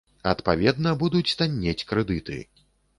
Адпаведна, будуць таннець крэдыты.